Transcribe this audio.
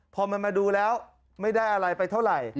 พอมันมาดูแล้วไม่ได้อะไรไปเท่าไหร่